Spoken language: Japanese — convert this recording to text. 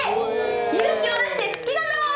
「勇気を出して好きなんだもん」